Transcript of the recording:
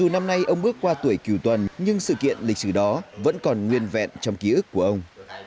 hôm nay ông bước qua tuổi cửu tuần nhưng sự kiện lịch sử đó vẫn còn nguyên vẹn trong ký ức của ông